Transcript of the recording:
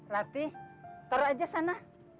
ratih taruh aja sana